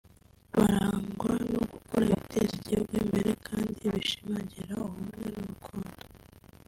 barangwa no gukora ibiteza igihugu imbere kandi bishimangira ubumwe n’urukundo